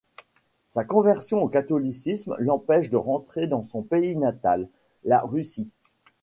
Sa conversion au catholicisme l’empêche de rentrer dans son pays natal, la Russie.